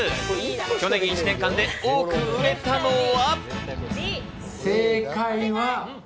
去年１年間で多く売れたのは？